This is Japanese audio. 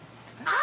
あ！